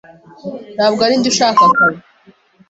Ntabwo arinjye ushaka akazi.